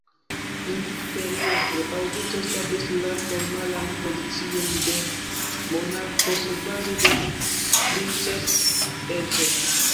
Imperiestro Aŭgusto establis la formalan pozicion de monarko surbaze de "princeps"-eco.